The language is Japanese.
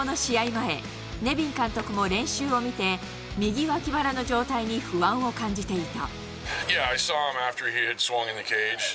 前、ネビン監督も練習を見て、右脇腹の状態に不安を感じていた。